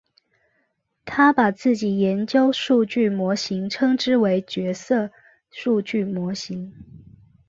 他把自己研究数据模型称之为角色数据模型。